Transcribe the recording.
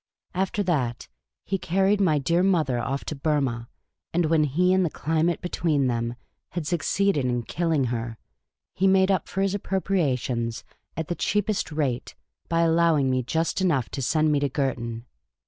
After that, he carried my dear mother off to Burma ; and when he and the climate between them had succeeded in killing her, he made up for his appropriations at the cheapest rate by allowing me just enough to send me to Girton.